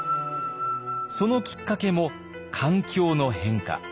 そのきっかけも環境の変化。